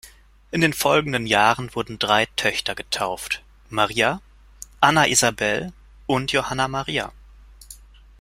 In den folgenden Jahren wurden drei Töchter getauft: Maria, Anna Isabelle und Johanna Maria.